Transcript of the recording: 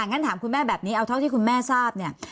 งั้นถามคุณแม่แบบนี้เอาเท่าที่คุณแม่ทราบเนี่ย